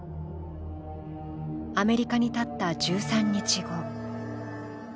アメリカにたった１３日後。